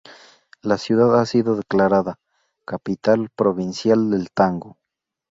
La ciudad ha sido declarada "Capital Provincial del Tango".